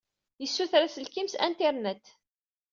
Yessuter aselkim s Internet.